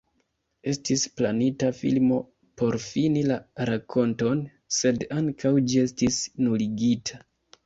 Estis planita filmo por fini la rakonton, sed ankaŭ ĝi estis nuligita.